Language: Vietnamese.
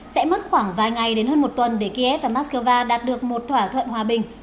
sẽ mất khoảng vài ngày đến hơn một tuần để kiev và moscow đạt được một thỏa thuận hòa bình